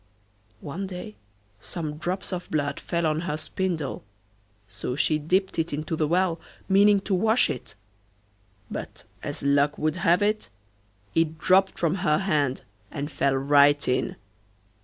One day some drops of blood fell on her spindle, so she dipped it into the well meaning to wash it, but, as luck would have it, it dropped from her hand and fell right in.